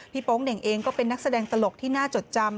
โป๊งเหน่งเองก็เป็นนักแสดงตลกที่น่าจดจำ